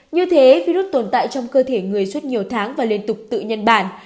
như thế virus tồn tại trong cơ thể người suốt nhiều tháng và liên tục tự nhân bản